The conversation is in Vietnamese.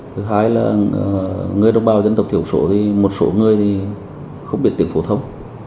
thứ hai là người đồng bào dân tộc thiểu số thì một số người thì không biết tiếng phổ thông